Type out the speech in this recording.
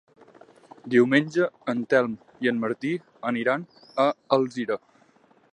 Diumenge en Telm i en Martí aniran a Alzira.